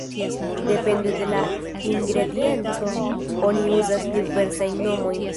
Depende de la ingredienco oni uzas diversajn nomojn.